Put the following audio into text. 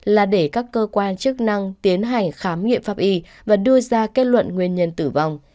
là để các cơ quan chức năng tiến hành khám nghiệm pháp y và đưa ra kết luận nguyên nhân tử vong